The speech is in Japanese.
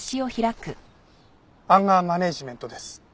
アンガーマネジメントです。